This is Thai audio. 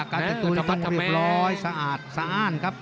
กางเกงตัวนี่ต้องเรียบร้อยสะอาดสะอ้านครับ